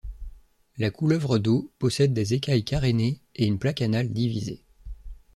La couleuvre d'eau possède des écailles carénées et une plaque anale divisée.